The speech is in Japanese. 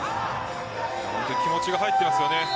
気持ちが入っていますよね。